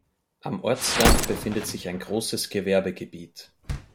Am Ortsrand befindet sich ein großes Gewerbegebiet.